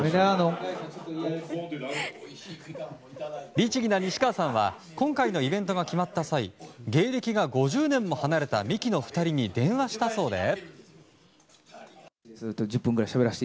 律儀な西川さんは今回のイベントが決まった際芸歴が５０年も離れたミキの２人に電話したそうで。